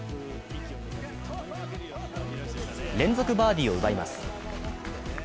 連続バーディーを奪います。